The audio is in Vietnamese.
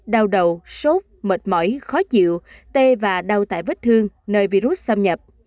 đau đầu sốt mệt mỏi khó chịu tê và đau tại vết thương nơi virus xâm nhập